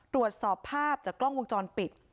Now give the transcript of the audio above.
ตรวจสอบภาพจากกล้องวงจรปิด